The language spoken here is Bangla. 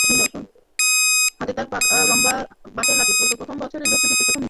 হাতে তার লম্বা পাকাবাঁশের লাঠি, প্রথম বয়সের দস্যুবৃত্তির শেষ নিদর্শন।